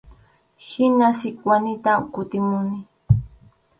Hina Sikwanita kutimuni.